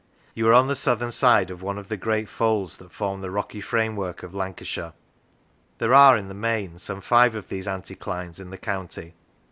You are on the southern side of one of the great folds that form the rocky framework of Lancashire. There are, in the main, some five of these anticlines in the county.